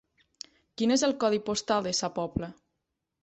Quin és el codi postal de Sa Pobla?